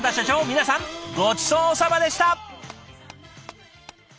皆さんごちそうさまでした。